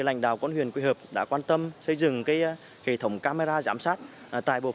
lãnh đạo quân huyện quỳ hợp đã quan tâm xây dựng cái hệ thống camera giám sát